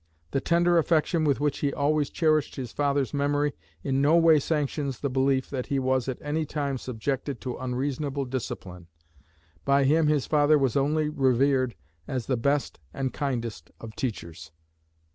The tender affection with which he always cherished his father's memory in no way sanctions the belief that he was at any time subjected to unreasonable discipline. By him his father was only revered as the best and kindest of teachers.